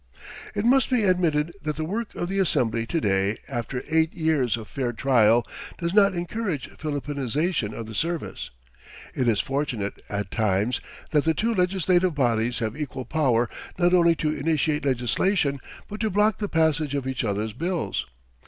It must be admitted that the work of the Assembly to day, after eight years of fair trial, does not encourage Filipinization of the service. It is fortunate at times that the two legislative bodies have equal power not only to initiate legislation but to block the passage of each other's bills.